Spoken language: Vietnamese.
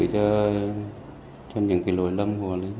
trong những cái lỗi lầm